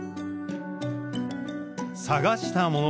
探したもの。